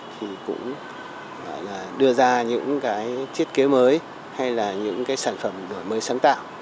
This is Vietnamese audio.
thì cũng đưa ra những thiết kế mới hay là những sản phẩm mới sáng tạo